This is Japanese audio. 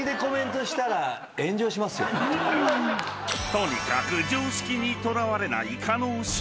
［とにかく常識にとらわれない叶姉妹］